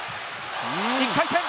１回転！